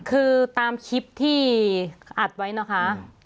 คือตามคลิปที่อัดไว้นะคะ